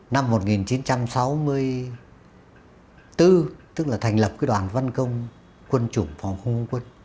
năm một nghìn chín trăm sáu mươi bốn tức là thành lập đoàn văn công quân chủng phòng không quân